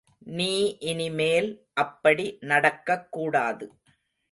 நீ இனிமேல் அப்படி நடக்கக் கூடாது.